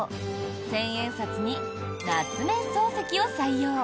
千円札に夏目漱石を採用。